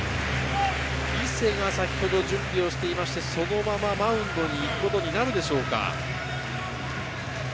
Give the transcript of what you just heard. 伊勢が先ほど準備をしていまして、そのままマウンドに行くことになるでしょうか。